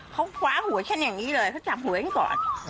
เขาคว้าหัวฉันอย่างนี้เลยเขาจับหัวฉันก่อน